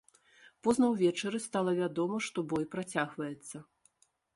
Позна ўвечары стала вядома, што бой працягваецца.